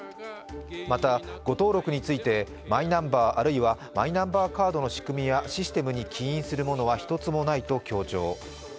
また、誤登録について、マイナンバーあるいはマイナンバーカードの仕組みやシステムに起因するものは１つもないと強調。